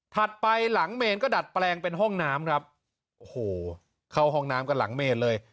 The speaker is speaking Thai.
ไปหลังเมนก็ดัดแปลงเป็นห้องน้ำครับโอ้โหเข้าห้องน้ำกันหลังเมนเลย